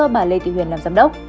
bà lê thị huyền làm giám đốc